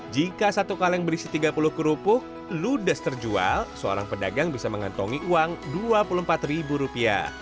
jika satu kaleng berisi tiga puluh kerupuk ludes terjual seorang pedagang bisa mengantongi uang rp dua puluh empat